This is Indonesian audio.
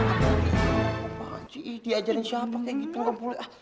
apaan sih diajarin siapa kayak gitu ga boleh ah